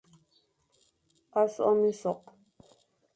Sokh minsokh,